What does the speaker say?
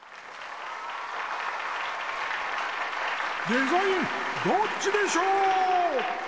「デザインどっちでショー」！